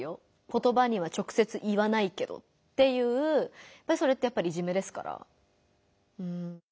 言葉には直接言わないけど」っていうそれってやっぱりいじめですから。